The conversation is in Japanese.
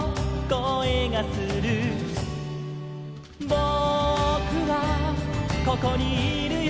「ぼくはここにいるよ」